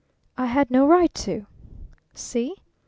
"I had no right to." "See!"